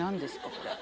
これ。